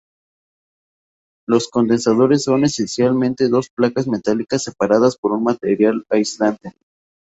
Los condensadores son esencialmente dos placas metálicas separadas por un material aislante.